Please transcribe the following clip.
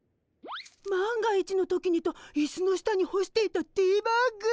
万が一の時にといすの下にほしていたティーバッグ。